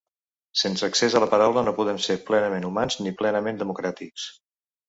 Sense accés a la paraula no podem ser plenament humans ni plenament democràtics.